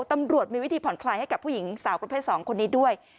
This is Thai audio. ตำรวจมีวิธีผ่อนคลายให้กับผู้หญิงสาวประเภท๒คนนี้ด้วย